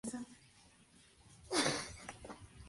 Los temas de sus textos son variados, aunque predomina el amoroso.